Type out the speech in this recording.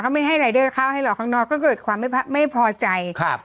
ไม่ให้รายเดอร์ข้าวให้หรอกข้างนอกก็เกิดความไม่พอใจครับ